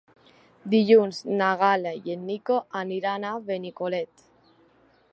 Dilluns na Gal·la i en Nico aniran a Benicolet.